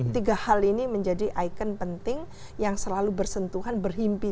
tiga hal ini menjadi ikon penting yang selalu bersentuhan berhimpit